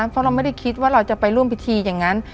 เพราะเราไม่ได้คิดว่าเราจะไปร่วมพิธีอย่างนั้น